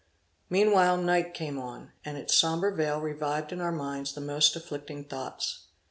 Meanwhile night came on, and its sombre veil revived in our minds the most afflicting thoughts.